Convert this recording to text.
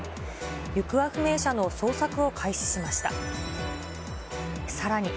行方不明者の捜索を開始しました。